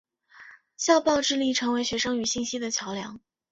校报致力成为学生与信息的桥梁。